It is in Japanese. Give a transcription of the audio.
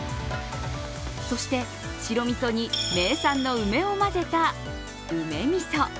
そして、白みそに名産の梅を混ぜた梅みそ。